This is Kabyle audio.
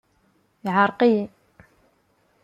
Yeɛreq-iyi.